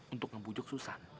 untuk ngebujuk susan